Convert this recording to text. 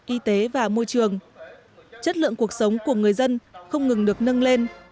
y tế và môi trường chất lượng cuộc sống của người dân không ngừng được nâng lên